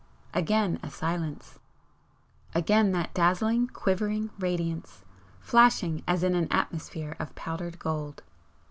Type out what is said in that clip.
Again a silence. Again that dazzling, quivering radiance, flashing as in an atmosphere of powdered gold.